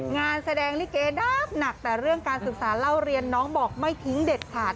งานแสดงลิเกดับหนักแต่เรื่องการศึกษาเล่าเรียนน้องบอกไม่ทิ้งเด็ดขาด